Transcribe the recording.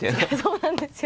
そうなんですよ